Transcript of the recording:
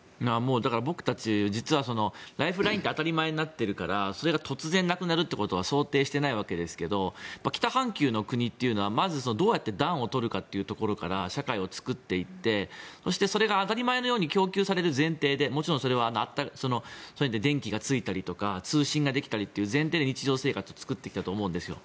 僕たち、実はライフラインって当たり前になってるからそれが突然なくなるってことは想定していないわけですけど北半球の国というのはどうやって暖を取るかってところから社会を作っていってそして、それが当たり前のように供給される前提で、もちろんそれは電気がついたりとか通信ができたりという前提で日常生活を作ってきたと思うんですよ。